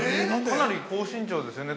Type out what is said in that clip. ◆かなり高身長ですよね。